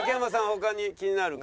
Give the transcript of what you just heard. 他に気になる方。